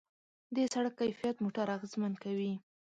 د سړک کیفیت موټر اغېزمن کوي.